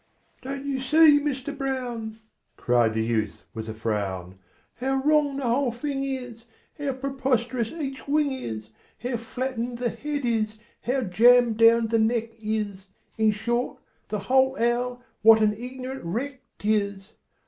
"Don't you see, Mister Brown," Cried the youth, with a frown, "How wrong the whole thing is, How preposterous each wing is, How flattened the head is, how jammed down the neck is In short, the whole owl, what an ignorant wreck 't is!